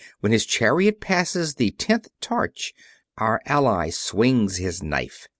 When his chariot passes the tenth torch our ally swings his knife.